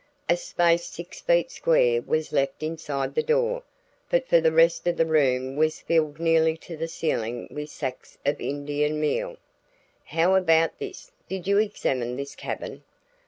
A space six feet square was left inside the door, but for the rest the room was filled nearly to the ceiling with sacks of Indian meal. "How about this did you examine this cabin?"